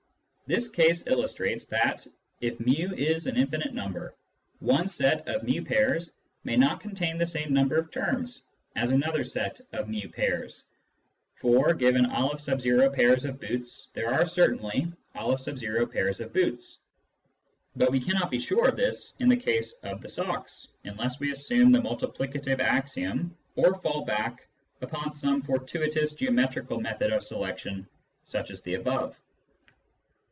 This case illustrates that, if fx is an infinite number, one set of ju. pairs may not contain the same number of terms as another set of ju, pairs ; for, given N pairs of boots, there are certainly N„ boots, but we cannot be sure of this in the case of the socks unless we assume the multiplicative axiom or fall back upon some fortuitous geometrical method of selection such as the above.